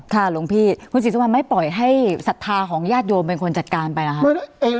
ค่ะหลวงพี่คุณศิษภาไม่ปล่อยให้ศรัทธาของญาติโยมเป็นคนจัดการไปล่ะครับ